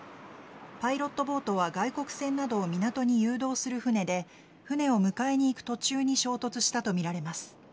パイロットボートは外国船などを港に誘導する船で船を迎えに行く途中に衝突したとみられます。